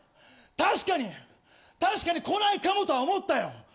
確かに確かに来ないかもとは思ったよ。